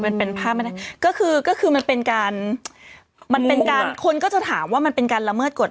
มันเป็นภาพไม่ได้ก็คือก็คือมันเป็นการมันเป็นการคนก็จะถามว่ามันเป็นการละเมิดกฎ